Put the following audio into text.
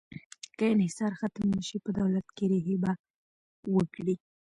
که انحصار ختم نه شي، په دولت کې ریښې به وکړي.